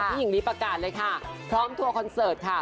หญิงลีประกาศเลยค่ะพร้อมทัวร์คอนเสิร์ตค่ะ